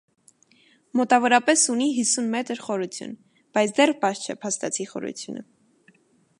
Մոտավորապես ունի հիսուն մետր խորություն, բայց դեռ պարզ չէ փաստացի խորությունը։